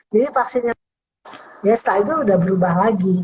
jadi vaksinnya setahun itu sudah berubah lagi